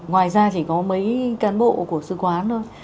ngoài ra chỉ có mấy can bộ của sư quán thôi